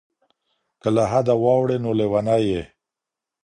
که له حده واوړې نو لیونی یې.